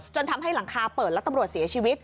ทำให้หลังคาเปิดแล้วตำรวจเสียชีวิต